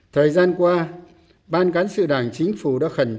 thời gian qua ban cán sự đảng chính phủ đã khẩn trương